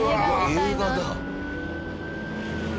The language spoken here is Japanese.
映画だ。